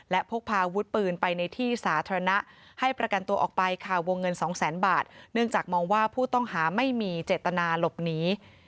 และพกพาอาวุธปืนไปในที่สาธารณะให้ประกันตัวออกไปค่ะวงเงินสองแสนบาทเนื่องจากมองว่าผู้ต้องหาไม่มีเจตนาหลบหนี